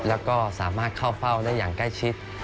แล้วก็สามารถเข้าเฝ้าได้อย่างใกล้ชิด